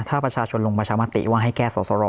ถ้าประชาชนลงประชามติว่าให้แก้สอสร